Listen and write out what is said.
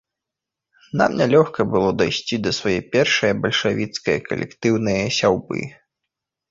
Нам нялёгка было дайсці да свае першае бальшавіцкае калектыўнае сяўбы.